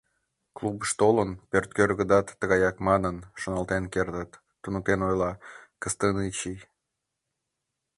— Клубыш толын, пӧрткӧргыдат тыгаяк манын, шоналтен кертыт, — туныктен ойла Кыстынчий.